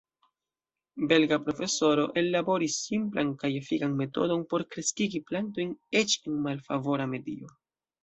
Belga profesoro ellaboris simplan kaj efikan metodon por kreskigi plantojn eĉ en malfavora medio.